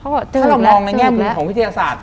เขาก็เจอหนูแล้วเจอหนูแล้วถ้าเรามองในแง่มือของพิธีศาสตร์